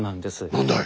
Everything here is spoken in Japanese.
何だい！